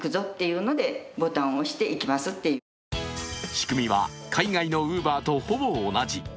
仕組みは、海外のＵｂｅｒとほぼ同じ。